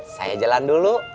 saya jalan dulu